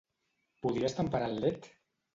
Podries temperar el led?